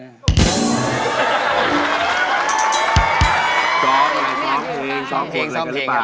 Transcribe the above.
จ๊อคอะไรซ้อมเพลงซ้อมผลอะไรกันหรือเปล่า